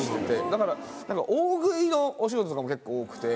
だから大食いのお仕事とかも結構多くて。